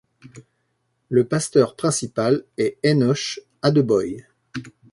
Le pasteur principal est Enoch Adeboye.